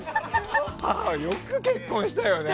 母、よく結婚したよね。